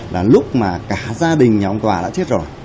là lúc mà cả gia đình nhà ông tòa đã chết rồi